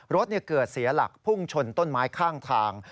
รถเกิดเสียหลักพุ่งชนต้นไม้ข้างทาง